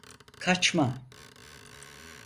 Kaçma!